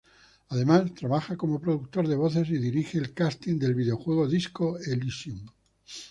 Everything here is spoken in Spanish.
Además, trabaja como productor de voces y dirige el "casting" del videojuego "Disco Elysium".